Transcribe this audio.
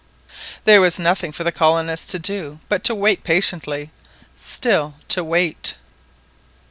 There was then nothing for the colonists to do but to wait patiently,—still to wait!